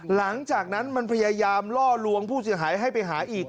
หลังจากนั้นมันพยายามล่อลวงผู้เสียหายให้ไปหาอีก